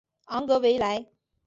昂格维莱。